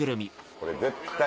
これ絶対。